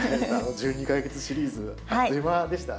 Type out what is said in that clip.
１２か月シリーズあっという間でしたね。